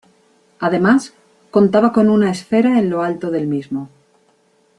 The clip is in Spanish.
Además, contaba con una esfera en lo alto del mismo.